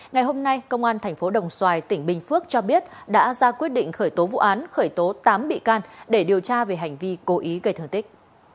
ngày hôm nay công an tp đồng xoài tỉnh bình phước cho biết đã ra quyết định khởi tố vụ án khởi tố tám bị can để điều tra về hành vi cố ý gây thương tích